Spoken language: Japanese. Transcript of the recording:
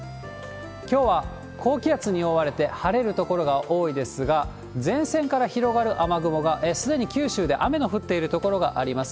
きょうは高気圧に覆われて晴れる所が多いですが、前線から広がる雨雲が、すでに九州で雨の降っている所があります。